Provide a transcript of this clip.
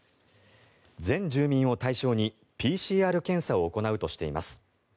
全住民を対象にＰＣＲ検査を行うとしています。